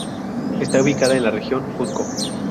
Esta ubicada en la región Cusco.